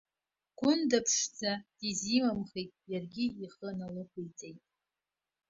Гәында-ԥшӡа дизимымхит, иаргьы ихы налықәиҵеит.